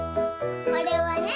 これはね